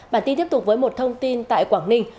bản tin tiếp tục với một thông tin tại quảng ninh